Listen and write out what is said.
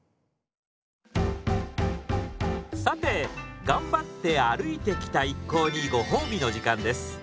さて頑張って歩いてきた一行にご褒美の時間です。